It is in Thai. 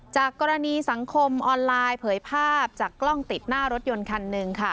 จากกรณีสังคมออนไลน์เผยภาพจากกล้องติดหน้ารถยนต์คันหนึ่งค่ะ